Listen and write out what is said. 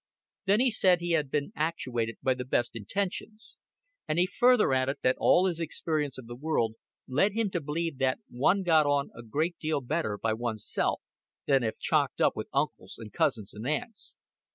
Then he said he had been actuated by the best intentions; and he further added that all his experience of the world led him to believe that one got on a great deal better by one's self than if chocked up with uncles and cousins and aunts.